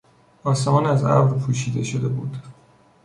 آسمان از ابر پوشیده شده بود.